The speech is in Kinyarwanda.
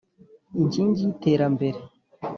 Inkingi y’iterambere.